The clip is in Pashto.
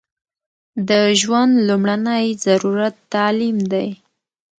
د ژوند لمړنۍ ضرورت تعلیم دی